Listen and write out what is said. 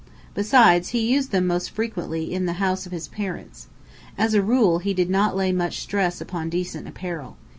Besides, he used them most frequently in the house of his parents. As a rule, he did not lay much stress upon decent apparel.